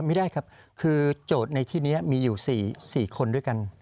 ไม่ได้ครับคือโจทย์ในที่นี้มีอยู่๔คนด้วยกัน